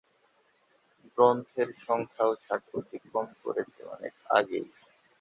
গ্রন্থের সংখ্যাও ষাট অতিক্রম করেছে অনেক আগেই।